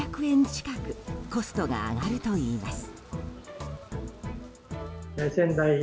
近くコストが上がるといいます。